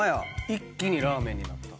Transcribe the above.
一気にラーメンになった。